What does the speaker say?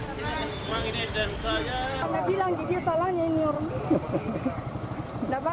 karena bilang jadi salahnya ini orangnya